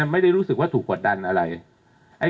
ไม่ได้รู้สึกว่าถูกกดดันอะไร